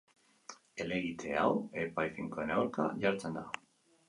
Helegite hau epai finkoen aurka jartzen da.